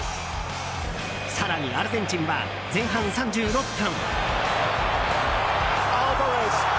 更にアルゼンチンは前半３６分。